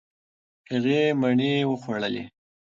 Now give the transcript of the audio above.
هغې مڼې وخوړلې.